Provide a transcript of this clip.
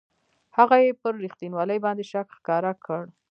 هغه یې پر رښتینوالي باندې شک ښکاره کړ.